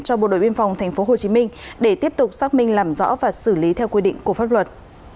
cho bộ đội biên phòng tp hcm để tiếp tục xác minh làm rõ và xử lý theo quy định của pháp luật